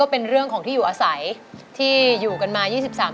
ทั้งในเรื่องของการทำงานเคยทำนานแล้วเกิดปัญหาน้อย